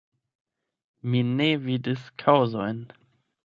Mi ne vidis kaŭzojn.